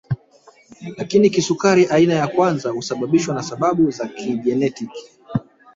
Lakini kisukari aina ya kwanza husababishwa na sababu za kijenetiki